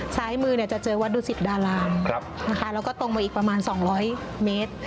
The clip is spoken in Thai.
ซ้ายมือจะเจอวัดดุสิตดารามแล้วก็ตรงมาอีกประมาณ๒๐๐เมตร